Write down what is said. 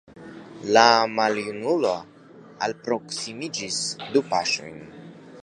La maljunulo alproksimiĝis du paŝojn.